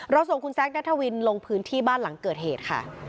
ส่งคุณแซคนัทวินลงพื้นที่บ้านหลังเกิดเหตุค่ะ